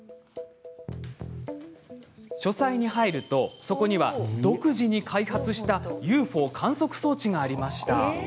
書斎に入るとそこには独自に開発したＵＦＯ観測装置がありました。